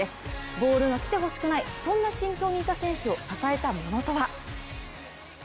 ボールが来てほしくない、そんな心境にいた選手を支えたものとは。